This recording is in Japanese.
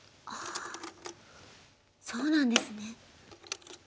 ああそうなんですね。